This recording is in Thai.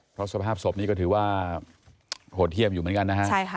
เพราะสภาพศพนี้ก็ถือว่าโหดเยี่ยมอยู่เหมือนกันนะฮะ